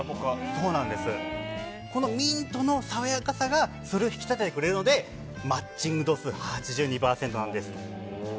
このミントの爽やかさがそれを引き立ててくれるのでマッチング度数８２％なんです。